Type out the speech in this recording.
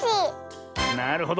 なるほど。